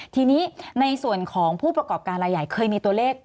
ทีนี้ในส่วนของผู้ประกอบการรายใหญ่เคยมีตัวเลข